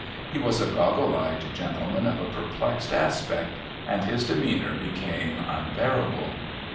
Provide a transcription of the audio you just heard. lie was a goggle eyed gentleman of a per[)lexed aspect, and his demeanour became unbearable.